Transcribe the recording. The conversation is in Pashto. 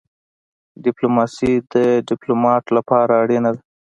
ډيپلوماسي د ډيپلومات لپاره اړینه ده.